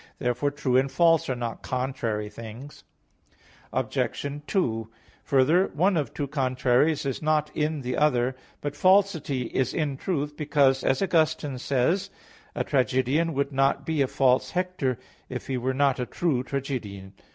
Therefore true and false are not contrary things. Obj. 2: Further, one of two contraries is not in the other. But falsity is in truth, because, as Augustine says, (Soliloq. ii, 10), "A tragedian would not be a false Hector, if he were not a true tragedian."